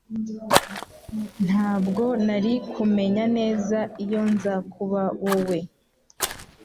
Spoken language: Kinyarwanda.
Ntabwo nari kumenya neza iyo nza kuba wowe